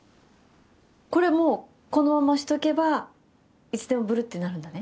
これをこのまましとけばいつでもブルってなるんだね。